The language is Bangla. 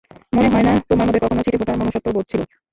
মনে হয় না তোমার মধ্যে কখনো ছিটেফোঁটাও মনুষ্যত্ব বোধ ছিল।